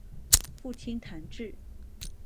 父亲谭智。